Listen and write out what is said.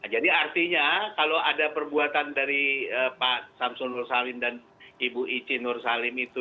jadi artinya kalau ada perbuatan dari pak samsun nursalin dan ibu ici nursalin itu